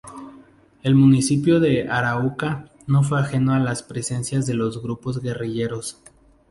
El municipio de Arauca no fue ajeno a la presencia de los grupos guerrilleros.